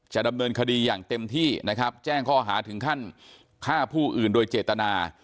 แจ้งข้อหาถึงขั้นฆ่าผู้อื่นโดยเจตนา